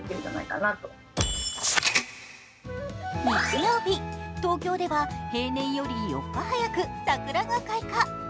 日曜日、東京では平年より４日早く桜が開花。